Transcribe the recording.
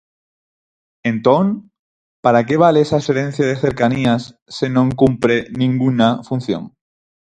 Entón, ¿para que vale esa xerencia de cercanías se non cumpre ningunha función.